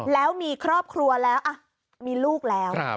แล้วมีครอบครัวแล้วมีลูกแล้ว